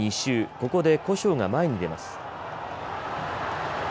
ここで古性が前に出ます。